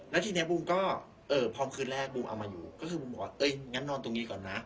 แล้วทีนี้บูมก็พร้อมคืนแรกบูมเอามาอยู่ก็คือบูมบอกว่าเอ้ยงั้นนอนตรงนี้ก่อนนะ